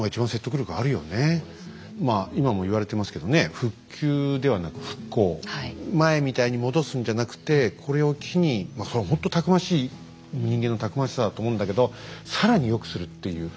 まあ今も言われてますけどね前みたいに戻すんじゃなくてこれを機にそれほんとたくましい人間のたくましさだと思うんだけど更に良くするっていう。